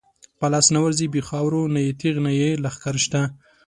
په لاس نه ورځی بی خاورو، نه یې تیغ نه یی لښکر شته